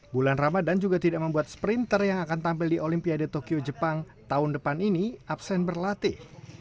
bulan ramadan juga tidak membuat sprinter yang akan tampil di olimpiade tokyo jepang tahun depan ini absen berlatih